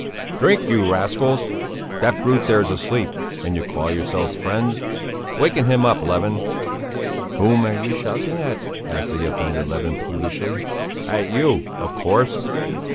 "Drink, you rascals! That brute there's asleep! And you call yourselves friends! Waken him up, Levin!" "Whom are you shouting at?" asked the offended Levin peevishly. "At you, of course!"